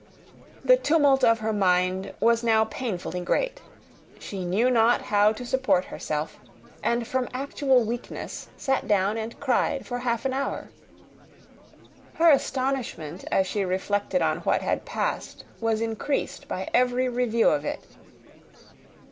The tumult of her mind was now painfully great. She knew not how to support herself, and, from actual weakness, sat down and cried for half an hour. Her astonishment, as she reflected on what had passed, was increased by every review of it.